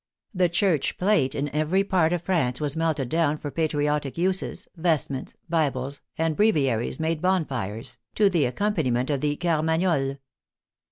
The church plate in every part of France was melted down for patriotic uses, vestments, bibles, and breviaries rriade bonfires, to the accompaniment of the " Carmagnole."